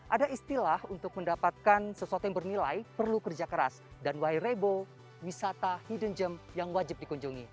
ada istilah untuk mendapatkan sesuatu yang bernilai perlu kerja keras dan why rebo wisata hidden gem yang wajib dikunjungi